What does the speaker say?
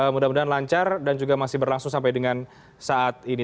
mudah mudahan lancar dan juga masih berlangsung sampai dengan saat ini